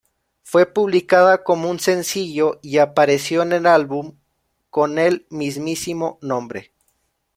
Fue publicada como un sencillo y apareció en el álbum con el mismísimo nombre.